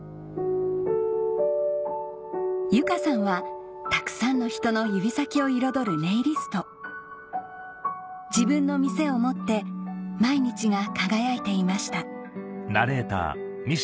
由佳さんはたくさんの人の指先を彩るネイリスト自分の店を持って毎日が輝いていました